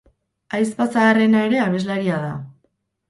Ahizpa zaharrena ere abeslaria da.